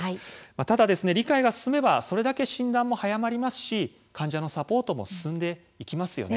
ただ理解が進めばそれだけ診断も早まりますし患者のサポートも進んでいきますよね。